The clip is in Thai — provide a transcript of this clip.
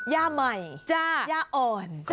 ย่าใหม่ย่าอ่อน